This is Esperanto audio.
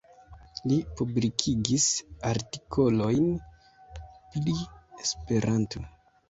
Li publikigis artikolojn pri Esperanto.